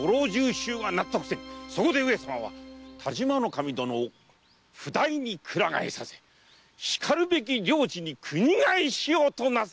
そこで上様は但馬守殿を譜代にくら替えさせしかるべき領地に国替しようとなされたのだ！